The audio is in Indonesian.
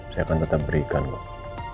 saya akan tetap berikan kok